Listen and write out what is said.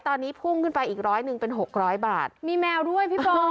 ตอนนี้พุ่งขึ้นไปอีกร้อยหนึ่งเป็นหกร้อยบาทมีแมวด้วยพี่บอล